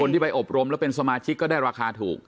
ที่ไปอบรมแล้วเป็นสมาชิกก็ได้ราคาถูก